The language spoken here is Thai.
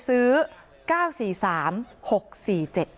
เมื่อที่๔แล้ว